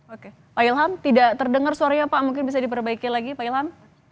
oke pak ilham tidak terdengar suaranya pak mungkin bisa diperbaiki lagi pak ilham